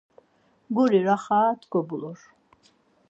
Guri raxat gobulur..